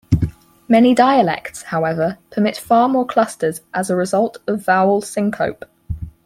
Many dialects, however, permit far more clusters as a result of vowel syncope.